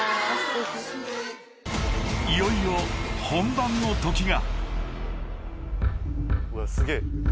［いよいよ本番のときが］